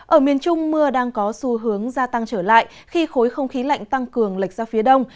ở miền trung mưa đang có xu hướng gia tăng trở lại khi khối không khí lạnh tăng cường lệch ra phía đông